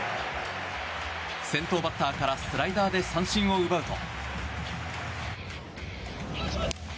先頭バッターからスライダーで三振を奪うと。